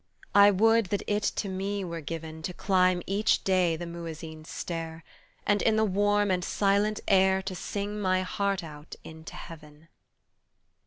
I would that it to me were given To climb each day the muezzin's stair And in the warm and silent air To sing my heart out into Heaven.